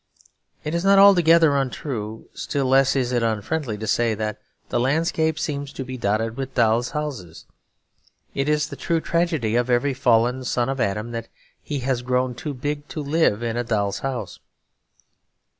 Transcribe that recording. It is not altogether untrue, still less is it unfriendly, to say that the landscape seems to be dotted with dolls' houses. It is the true tragedy of every fallen son of Adam that he has grown too big to live in a doll's house.